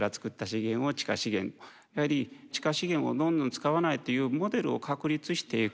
やはり地下資源をどんどん使わないというモデルを確立していく。